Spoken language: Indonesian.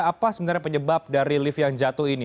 apa sebenarnya penyebab dari lift yang jatuh ini